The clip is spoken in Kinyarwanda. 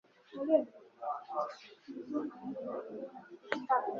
nabukunze kuruta ubuzima n'ubwiza bw'umubiri